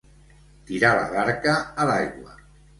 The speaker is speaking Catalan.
Tirar la barca a l'aigua.